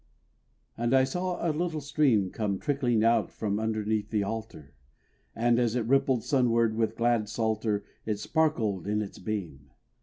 And I saw a little stream Come trickling out from underneath the altar; And as it rippled sunward with glad psalter, It sparkled in its beam.